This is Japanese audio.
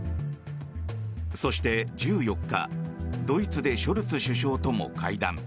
そして、１４日ドイツでショルツ首相とも会談。